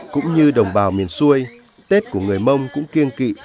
cũng như đồng bào miền xuôi tết của người mông cũng kiên kỵ